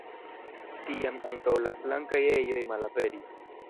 Tiam ankaŭ la flankaj ejoj malaperis.